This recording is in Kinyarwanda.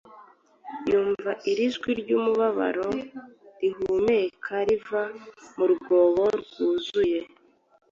Yumva iri jwi ryumubabaro rihumeka riva mu rwobo rwuzuye. .